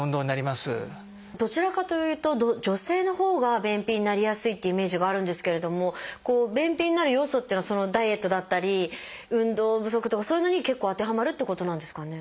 どちらかというと女性のほうが便秘になりやすいっていうイメージがあるんですけれども便秘になる要素っていうのはダイエットだったり運動不足とかそういうのに結構当てはまるってことなんですかね？